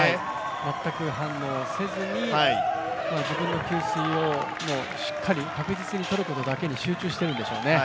全く反応せずに自分の給水をしっかり確実にとることだけに集中しているんでしょうね。